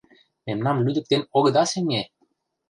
Мемнам лӱдыктен огыда сеҥе!